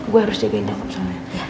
gue harus jagain dia